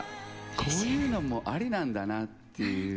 こういうのもありなんだなっていう。